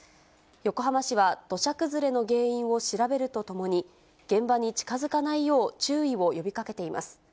横浜市は土砂崩れの原因を調べるとともに、現場に近づかないよう、注意を呼びかけています。